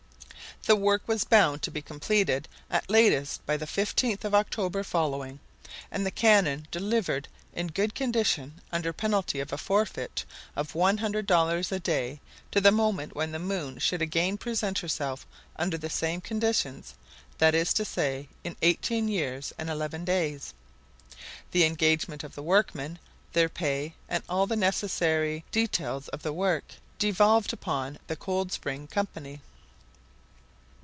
The work was bound to be completed at latest by the 15th of October following, and the cannon delivered in good condition under penalty of a forfeit of one hundred dollars a day to the moment when the moon should again present herself under the same conditions—that is to say, in eighteen years and eleven days. The engagement of the workmen, their pay, and all the necessary details of the work, devolved upon the Coldspring Company.